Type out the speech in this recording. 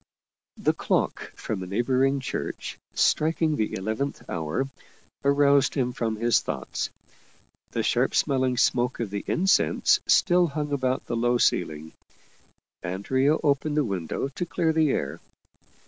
The clock from a neighboring church, striking the eleventh hour, aroused him from his thoughts. The sharp smelling smoke of the incense still hung about the low ceiling; Andrea opened the window to clear the air.